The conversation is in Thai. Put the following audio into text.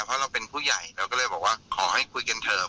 เพราะเราเป็นผู้ใหญ่เราก็เลยบอกว่าขอให้คุยกันเถอะ